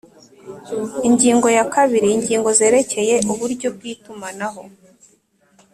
Ingingo ya kabiri Ingingo zerekeye uburyo bw’itumanaho